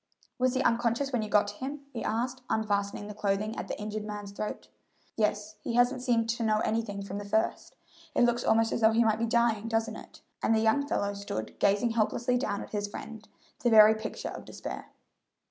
"Was he unconscious when you got to him?" he asked, unfastening the clothing at the injured man's throat. "Yes; he hasn't seemed to know anything from the first. It looks almost as though he might be dying, doesn't it?" and the young fellow stood gazing helplessly down at his friend, the very picture of despair.